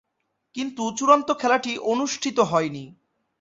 কিন্তু চূড়ান্ত খেলাটি অনুষ্ঠিত হয়নি।